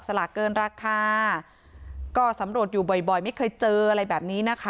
สลากเกินราคาก็สำรวจอยู่บ่อยบ่อยไม่เคยเจออะไรแบบนี้นะคะ